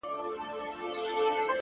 خیال دي!